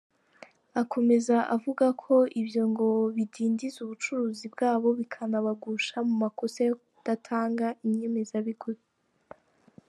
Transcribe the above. Akomeza avuga ko ibyo ngo bidindiza ubucuruzi bwabo bikanabagusha mu makosa yo kudatanga inyemezabwishyu.